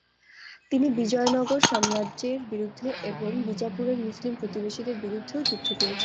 তিনি বিজয়নগর সাম্রাজ্যের বিরুদ্ধে এবং বিজাপুরের মুসলিম প্রতিবেশীদের বিরুদ্ধেও যুদ্ধ করেছিলেন।